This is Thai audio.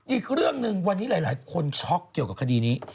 อีกเรื่องหนึ่งวันนี้หลายคนช็อกเกี่ยวกับคดีนี้